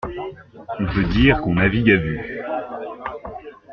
On peut dire qu'on navigue à vue.